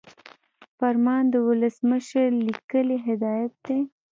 فرمان د ولسمشر لیکلی هدایت دی.